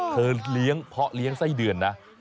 เลี้ยงเพาะเลี้ยงไส้เดือนนะ